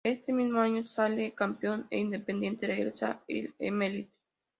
Ese mismo año sale campeón e inmediatamente regresa el Emelec.